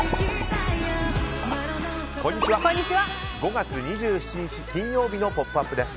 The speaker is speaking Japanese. ５月２７日、金曜日の「ポップＵＰ！」です。